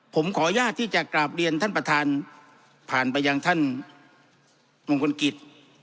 ผมขออนุญาตที่จะกราบเรียนท่านประธานผ่านไปยังท่านมงคลกิจ